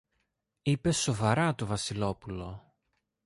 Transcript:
είπε σοβαρά το Βασιλόπουλο.